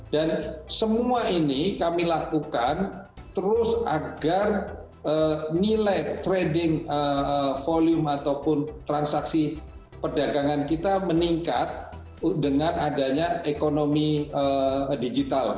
dan semua ini kami lakukan terus agar nilai trading volume ataupun transaksi perdagangan kita meningkat dengan adanya ekonomi digital